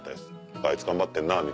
「あいつ頑張ってんな」